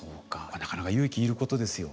なかなか勇気要ることですよ。